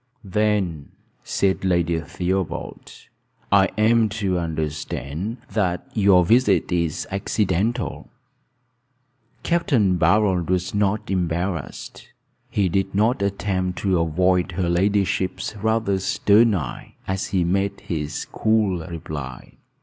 "Then," said Lady Theobald, "I am to understand that your visit is accidental." Capt. Barold was not embarrassed. He did not attempt to avoid her ladyship's rather stern eye, as he made his cool reply.